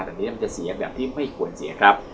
แต่นี้มันจะเสียแบบที่ไม่ควรเสียครับ